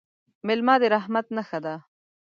مېلمه د رحمت نښه ده.